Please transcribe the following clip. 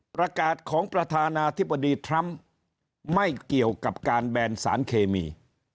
ประกาศของประธานาธิบดีทรัมป์ไม่เกี่ยวกับการแบนสารเคมี